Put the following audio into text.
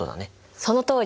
そのとおり！